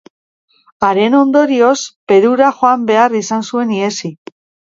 Haren ondorioz, Perura jo behar izan zuen ihesi.